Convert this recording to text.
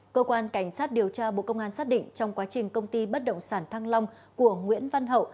cơ quan cảnh sát điều tra bộ công an xác định trong quá trình công ty bất động sản thăng long của nguyễn văn hậu